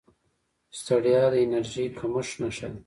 ستړیا د انرژۍ کمښت نښه ده